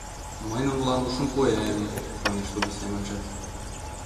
«Мый нунылан ушым пуэм, — манеш тудо семынже.